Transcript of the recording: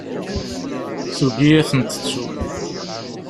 Tugi ad ten-tettu.